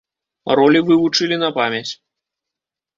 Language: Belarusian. Ролі вывучылі на памяць.